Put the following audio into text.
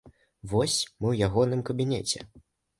Вось мы ў ягоным кабінеце.